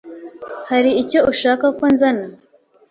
Hari icyo ushaka ko nzana?